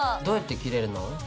どうやって切れるの？